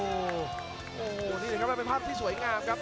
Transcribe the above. โอ้โหนี่แหละครับมันเป็นภาพที่สวยงามครับ